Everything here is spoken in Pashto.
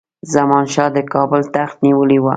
زمان شاه د کابل تخت نیولی وو.